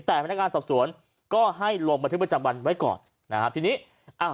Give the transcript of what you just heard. แต่พนักงานสอบสวนก็ให้ลงบันทึกประจำวันไว้ก่อนนะฮะทีนี้อ้าว